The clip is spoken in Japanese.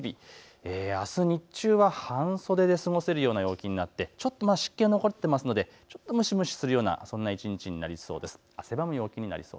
あす日中は半袖で過ごせるような陽気になって、ちょっと湿気が残っているので、ちょっと蒸し蒸しするようなそんな一日になりそうです。